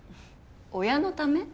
親のため？